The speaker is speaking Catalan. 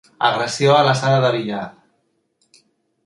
Agressió a la sala de billar.